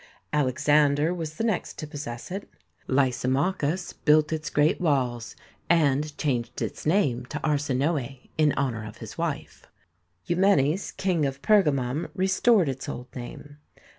Alex ander was the next to possess it. Lysimachus built its great walls and changed its name to Arsinoe in honour of his wife. Eumenes, King of Pergamum, restored its old name.